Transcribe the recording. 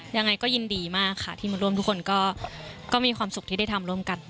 ยังไงก็ยินดีมากค่ะที่มาร่วมทุกคนก็มีความสุขที่ได้ทำร่วมกัน